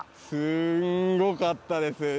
すごかったです！